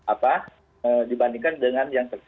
apa dibandingkan dengan yang